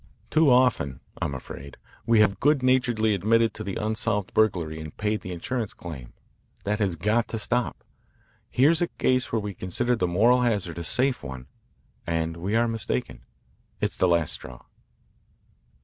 Too often, I'm afraid, we have good naturedly admitted the unsolved burglary and paid the insurance claim. That has got to stop. Here's a case where we considered the moral hazard a safe one, and we are mistaken. It's the last straw."